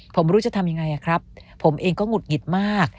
ผมไม่รู้จะทำยังไงครับผมเองก็หงุดหงิดมาก